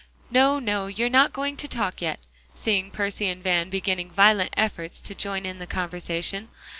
"No, no, you're not going to talk yet," seeing Percy and Van beginning violent efforts to join in the conversation.